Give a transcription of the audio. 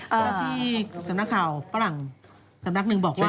แล้วที่สำนักข่าวฝรั่งสำนักหนึ่งบอกว่า